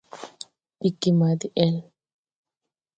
Ɗiggi ma kay de-ɛl.